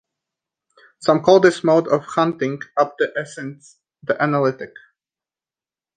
Some call this mode of hunting up the essence the analytic.